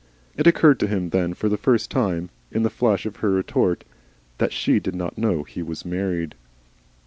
It occurred to him then for the first time, in the flash of her retort, that she did not know he was married.